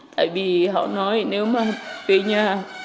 tại vì họ nói nếu mà về nhà